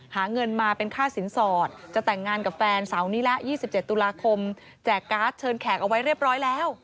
หาเงินมาเป็นค่าสินสอดจะแต่งงานกับแฟนเสาร์นี้ละ๒๗ตุลาคมแจกการ์ดเชิญแขกเอาไว้เรียบร้อยแล้ว